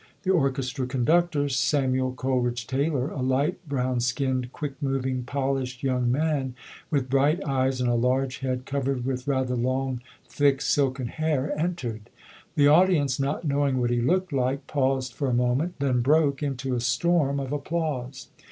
The orches tra conductor, Samuel Coleridge Taylor, a light brown skinned, quick moving, polished young man, with bright eyes and a large head covered with rather long, thick, silken hair, entered. The audience, not knowing what he looked like, paused for a moment, then broke into a storm of applause.